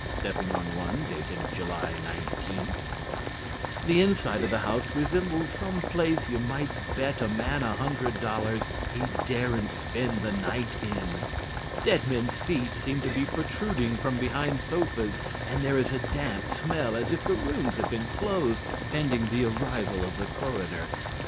(Stepping on one dated July 19.) The inside of the house resembles some place you might bet a man a hundred dollars he daren't spend the night in. Dead men's feet seem to be protruding from behind sofas and there is a damp smell as if the rooms had been closed pending the arrival of the coroner.